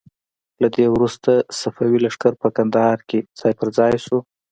له دې وروسته صفوي لښکر په کندهار کې ځای په ځای شو.